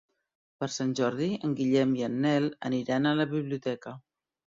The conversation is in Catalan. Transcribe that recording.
Per Sant Jordi en Guillem i en Nel aniran a la biblioteca.